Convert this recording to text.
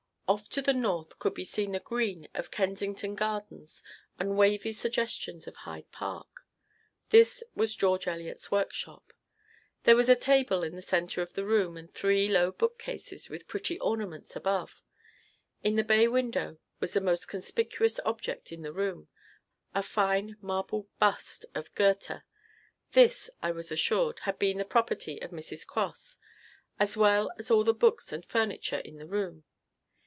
Off to the north could be seen the green of Kensington Gardens and wavy suggestions of Hyde Park. This was George Eliot's workshop. There was a table in the center of the room and three low bookcases with pretty ornaments above. In the bay window was the most conspicuous object in the room a fine marble bust of Goethe. This, I was assured, had been the property of Mrs. Cross, as well as all the books and furniture in the room.